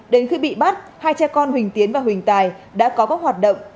đến khi bị bắt hai cha con huỳnh tiến và huỳnh tài đã có các hoạt động